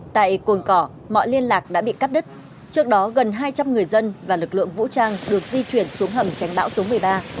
tại cồn cỏ mọi liên lạc đã bị cắt đứt trước đó gần hai trăm linh người dân và lực lượng vũ trang được di chuyển xuống hầm tránh bão số một mươi ba